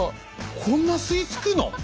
こんな吸いつくの⁉